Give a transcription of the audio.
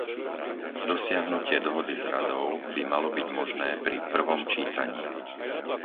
Dosiahnutie dohody s Radou by malo byť možné pri prvom čítaní.